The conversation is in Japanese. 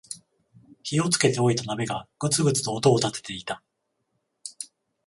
火をつけておいた鍋がグツグツと音を立てていた